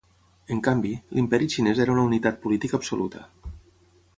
En canvi, l'imperi xinès era una unitat política absoluta.